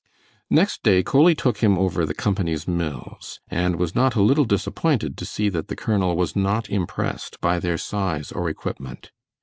Next day Coley took him over the company's mills, and was not a little disappointed to see that the colonel was not impressed by their size or equipment.